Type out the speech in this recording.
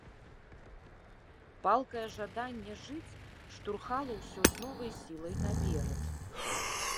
Палкае жаданне жыць штурхала ўсё з новай сілай наперад.